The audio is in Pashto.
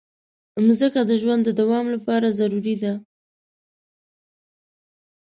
مځکه د ژوند د دوام لپاره ضروري ده.